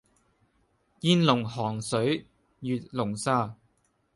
煙籠寒水月籠沙